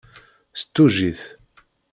S tujjit.